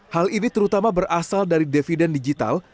hal ini terutama berasal dari dividen digital